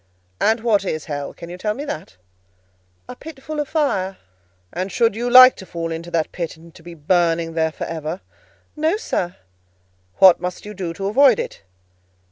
"And what is hell? Can you tell me that?" "A pit full of fire." "And should you like to fall into that pit, and to be burning there for ever?" "No, sir." "What must you do to avoid it?"